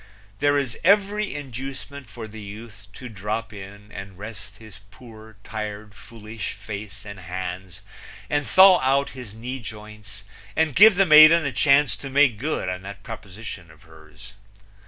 There is every inducement for the youth to drop in and rest his poor, tired, foolish face and hands and thaw out his knee joints and give the maiden a chance to make good on that proposition of hers.